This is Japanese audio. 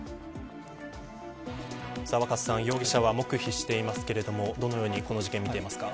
若狭さん、容疑者は黙秘していますけれどどのようにこの事件を見ていますか。